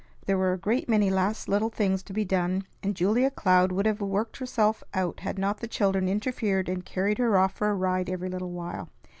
There were a great many last little things to be done, and Julia Cloud would have worked herself out, had not the children interfered and carried her off for a ride every little while.